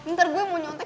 ntar gue mau nyontek